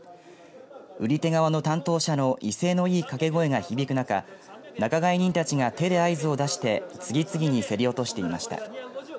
売り手側の担当者の威勢のいい掛け声が響く中、仲買人たちが手で合図を出して次々に競り落としていました。